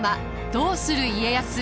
「どうする家康」。